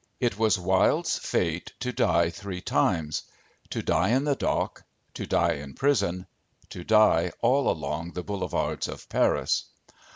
It was Wilde's fate to die three times to die in the dock, to die in prison, to die all along the boulevards of Paris.